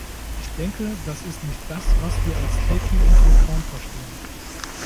Ich denke, das ist nicht das, was wir als taking into account verstehen.